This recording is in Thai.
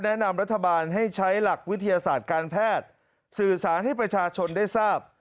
แนะนำรัฐบาลให้ใช้หลักวิทยาศาสตร์การแพทย์สื่อสารให้ประชาชนได้ทราบ